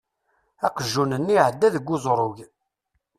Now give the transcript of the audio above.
Aqjun-nni iεedda-d deg uzrug.